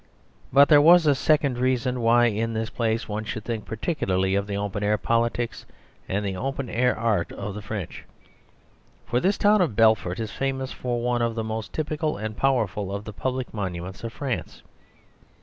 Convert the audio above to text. ..... But there was a second reason why in this place one should think particularly of the open air politics and the open air art of the French. For this town of Belfort is famous for one of the most typical and powerful of the public monuments of France.